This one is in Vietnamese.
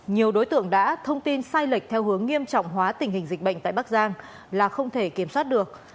nhiều đối tượng đã thông tin sai lệch theo hướng nghiêm trọng hóa tình hình dịch bệnh tại bắc giang là không thể kiểm soát được